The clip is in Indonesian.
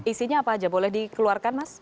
isinya apa aja boleh dikeluarkan mas